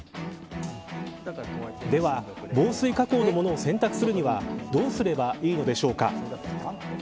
では防水加工のものを洗濯するにはどうすればいいのでしょうか。